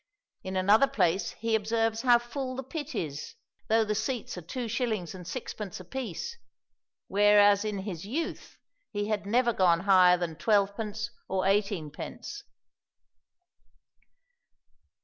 In another place he observes how full the pit is, though the seats are two shillings and sixpence a piece, whereas in his youth he had never gone higher than twelvepence or eighteenpence.